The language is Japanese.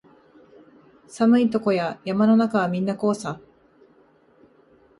寒いとこや山の中はみんなこうさ